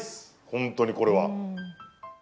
本当にこれは。